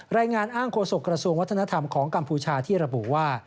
รายงานอ้างโฆษกระทรวงวัฒนธรรมของกัมพูชาที่ระบุว่า